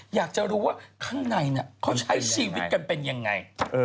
อยากจะรู้ว่าข้างในเขาใช้ชีวิตกันเป็นยังไง